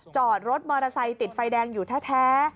จอดรถมอเตอร์ไซค์ติดไฟแดงอยู่แท้